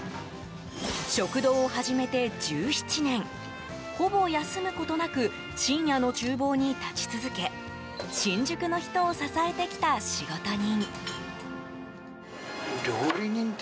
食堂を始めて１７年ほぼ休むことなく深夜の厨房に立ち続け新宿の人を支えてきた仕事人。